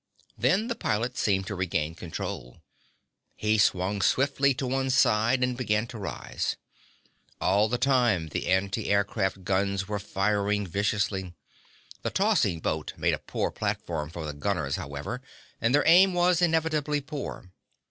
Then the pilot seemed to regain control. He swung swiftly to one side and began to rise. All the time the anti aircraft guns were firing viciously. The tossing boat made a poor platform for the gunners, however, and their aim was inevitably poor.